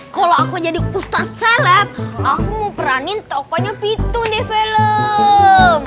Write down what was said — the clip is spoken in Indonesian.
kalau aku jadi ustadz salab aku mau peranin tokonya pitung di film